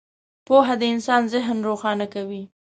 • پوهه د انسان ذهن روښانه کوي.